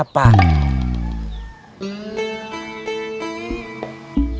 tahu dari mana kum